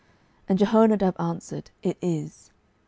And Jehonadab answered, It is.